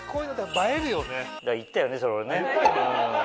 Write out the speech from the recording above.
言ったよねそれ俺ね。